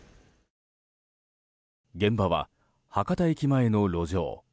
現場は博多駅前の路上。